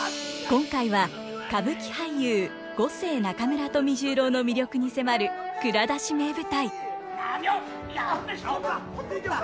今回は歌舞伎俳優五世中村富十郎の魅力に迫る「蔵出し！名舞台」。